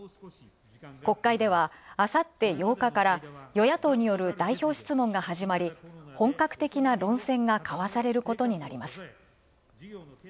国会では、あさって８日から与野党による代表質問が始まり、本格的な論戦が交わされることになります。